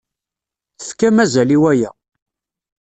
Tefkam azal i waya.